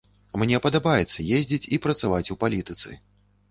Мне падабаецца ездзіць і працаваць у палітыцы.